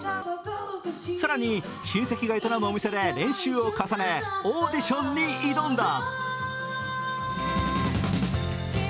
更に、親戚が営むお店で練習を重ねオーディションに挑んだ。